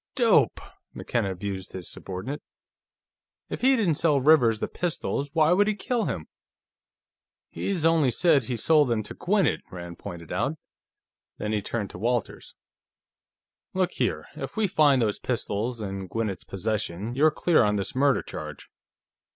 "Dope!" McKenna abused his subordinate. "If he didn't sell Rivers the pistols, why would he kill him?" "He's only said he sold them to Gwinnett," Rand pointed out. Then he turned to Walters. "Look here; if we find those pistols in Gwinnett's possession, you're clear on this murder charge.